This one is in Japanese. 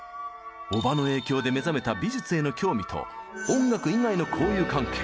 おばの影響で目覚めた美術への興味と音楽以外の交友関係。